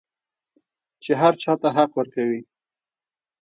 چې هر چا ته حق ورکوي.